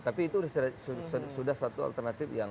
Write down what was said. tapi itu sudah satu alternatif yang